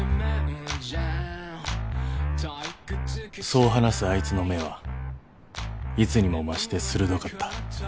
［そう話すあいつの目はいつにも増して鋭かった］